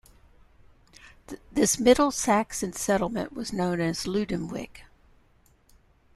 This Middle Saxon settlement was known as Lundenwic.